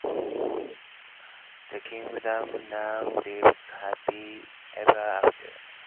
The Kingdom now lives Happily Ever After.